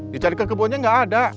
dicari ke kebunnya gak ada